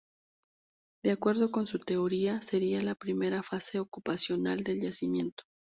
De acuerdo con su teoría, sería la primera fase ocupacional del yacimiento.